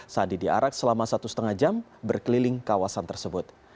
sandi diarak selama satu lima jam berkeliling kawasan tersebut